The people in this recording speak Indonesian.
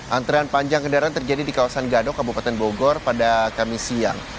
antrean panjang kendaraan terjadi di kawasan gadok kabupaten bogor pada kamis siang